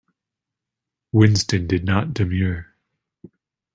Winston did "not" demur.